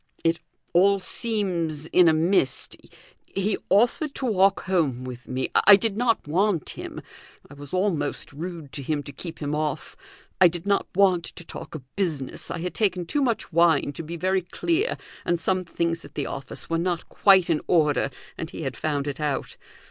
"It all seems in a mist. He offered to walk home with me; I did not want him. I was almost rude to him to keep him off. I did not want to talk of business; I had taken too much wine to be very clear and some things at the office were not quite in order, and he had found it out.